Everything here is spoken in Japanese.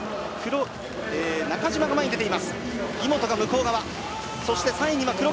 中島が前に出ています。